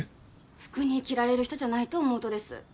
服に着られる人じゃないと思うとです